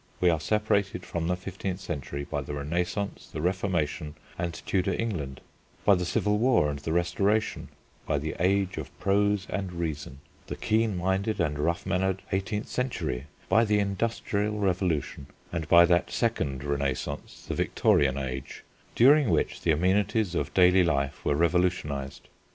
We are separated from the fifteenth century by the Renaissance, the Reformation, and Tudor England, by the Civil War and the Restoration, by the "age of prose and reason," the keen minded and rough mannered eighteenth century, by the Industrial Revolution, and by that second Renaissance, the Victorian Age, during which the amenities of daily life were revolutionised.